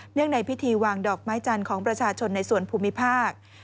ในพิธีวางดอกไม้จันทร์ของประชาชนในส่วนภูมิภาค